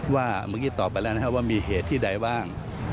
ว่าเมื่อกี้ตอบไปแล้วนะครับว่ามีเหตุที่ใดบ้าง